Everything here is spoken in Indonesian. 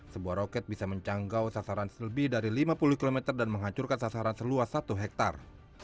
sebuah roket bisa menjangkau sasaran selebih dari lima puluh km dan menghancurkan sasaran seluas satu hektare